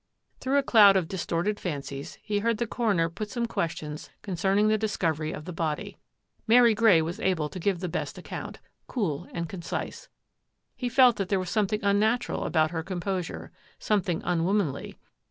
Through a cloud of distorted fancies he heard the coroner put some questions concerning the discovery of the body. Mary Grey was able to give the best account — cool and concise. He felt that there was something unnatural about her composure, something unwomanly.